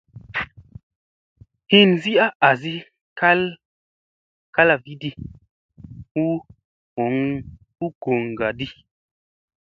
Hinsi a asi kal kalfiɗi hu goŋga di.